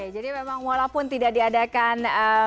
jadi memang walaupun tidak diadakan